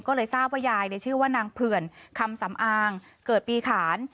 ก็เลยทราบว่ายายชื่อว่านางเผื่อนคำสำอางเกิดปีขาน